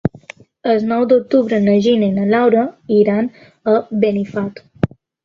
El nou d'octubre na Gina i na Laura iran a Benifato.